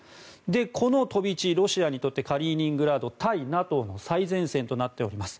この飛び地、ロシアにとってカリーニングラード対ＮＡＴＯの最前線となっております。